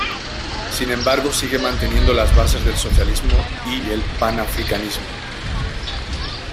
Sin embargo sigue manteniendo las bases del socialismo y el panafricanismo.